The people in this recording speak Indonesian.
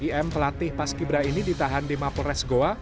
im pelatih pas kibra ini ditahan di mapolres goa